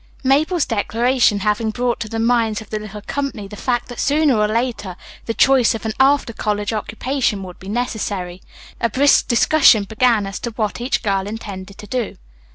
Mabel's declaration having brought to the minds of the little company the fact that sooner or later the choice of an after college occupation would be necessary, a brisk discussion began as to what each girl intended to do.